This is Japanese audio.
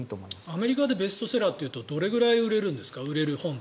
アメリカでベストセラーっていうとどれくらい売れるんですか？